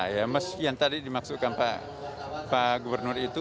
ya yang tadi dimaksudkan pak gubernur itu